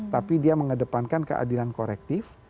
tapi dia mengedepankan keadilan korektif